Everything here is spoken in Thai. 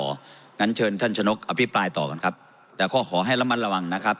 อย่างนั้นเชิญท่านชนกอภิปรายต่อกันครับแต่ก็ขอให้ระมัดระวังนะครับ